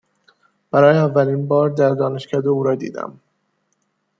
برای اولین بار در دانشکده او را دیدم.